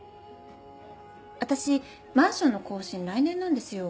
私マンションの更新来年なんですよ。